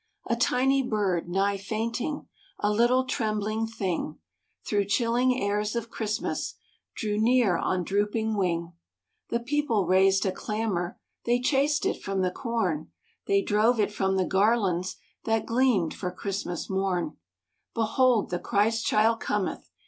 A tiny bird, nigh fainting, A little trembling thing, Through chilling airs of Christmas Drew near on drooping wing; The people raised a clamor, They chased it from the corn, They drove it from the garlands That gleamed for Christmas morn: "Behold the Christ child cometh!"